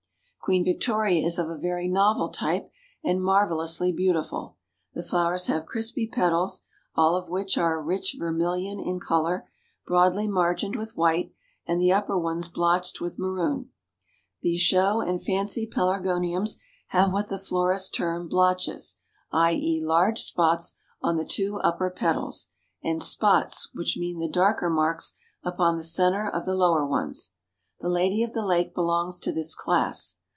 Queen Victoria is of a very novel type and marvelously beautiful. The flowers have crispy petals, all of which are a rich vermilion in color, broadly margined with white, and the upper ones blotched with maroon. The "Show and Fancy Pelargoniums" have what the florists term "blotches," i.e. large spots on the two upper petals, and "spots" which mean the darker marks upon the center of the lower ones. The Lady of the Lake belongs to this class.